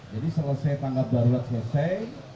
jadi selesai tanggal dua bulan selesai